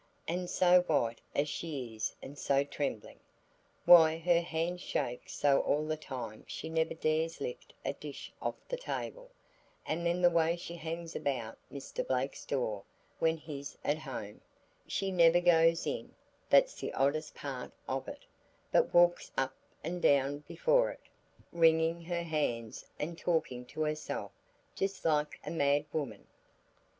And so white as she is and so trembling! Why her hands shake so all the time she never dares lift a dish off the table. And then the way she hangs about Mr. Blake's door when he's at home! She never goes in, that's the oddest part of it, but walks up and down before it, wringing her hands and talking to herself just like a mad woman.